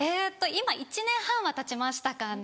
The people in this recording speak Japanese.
今１年半はたちましたかね？